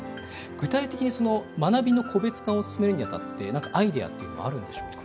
具体的に学びの個別化を進めるにあたって何かアイデアっていうのはあるんでしょうか？